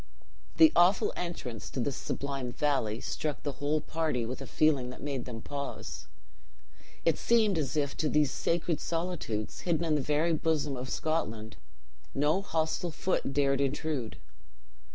The awful entrance to this sublime valley struck the whole party with a feeling that made them pause. It seemed as it to these sacred solitudes, hidden in the very bosom of Scotland, no hostile foot dared intrude.